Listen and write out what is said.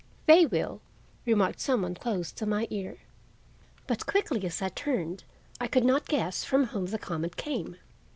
"They will," remarked some one close to my ear. But quickly as I turned I could not guess from whom the comment came.